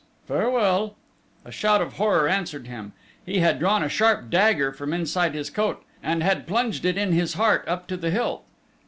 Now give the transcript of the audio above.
Farewell...." A shout of horror answered him: he had drawn a sharp dagger from inside his coat, and had plunged it in his heart up to the hilt!